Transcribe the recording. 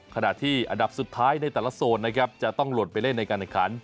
ขณะที่อันดับสุดท้ายในแต่ละโซนนะครับจะต้องหล่นไปเล่นในการแข่งขัน